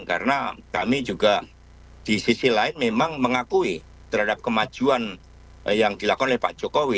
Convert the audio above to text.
karena kami juga di sisi lain memang mengakui terhadap kemajuan yang dilakukan oleh pak jokowi